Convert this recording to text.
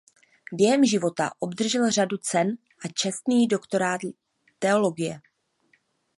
Během života obdržel řadu cen a čestný doktorát teologie.